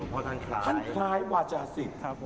พระทังคลายวาจสิต